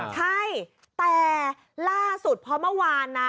ใช่แต่ล่าสุดเพราะเมื่อวานนะ